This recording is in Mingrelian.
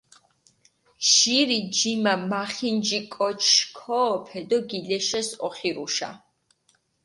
ჟირი ჯიმა მახინჯი კოჩი ქოჸოფე დო გილეშეს ოხირუშა.